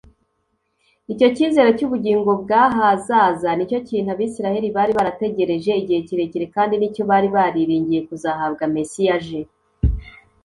Icyo cyizere cy’ubugingo bw’ahazaza nicyo kintu Abisiraheli bari barategereje igihe kirekire, kandi nicyo bari bariringiye kuzahabwa Mesiya aje.